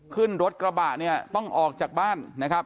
ขึ้นรถกระบะเนี่ยต้องออกจากบ้านนะครับ